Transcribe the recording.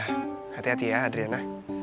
hati hati ya adriana